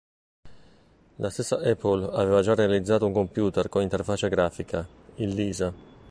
La stessa Apple aveva già realizzato un computer con interfaccia grafica, il Lisa.